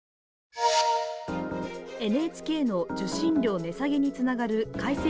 ＮＨＫの受信料値下げにつながる改正